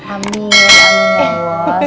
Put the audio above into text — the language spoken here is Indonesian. amin amin allah